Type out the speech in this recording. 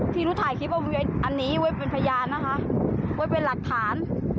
ที่รู้ถ่ายคลิปอันนี้เพื่อเป็นพยานนะคะเพื่อเป็นหลักฐาน